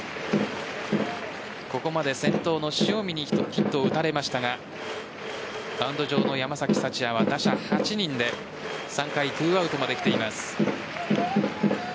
ここまで先頭の塩見にヒットを打たれましたがマウンド上の山崎福也は打者８人で３回２アウトまで来ています。